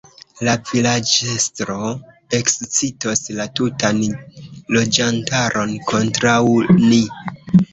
La vilaĝestro ekscitos la tutan loĝantaron kontraŭ ni.